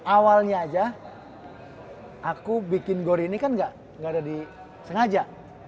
awalnya aja aku bikin gor ini kan gak ada di sengaja